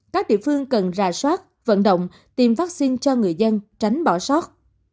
các địa phương cần ra soát vận động tiêm vaccine cho người dân tránh bỏ sót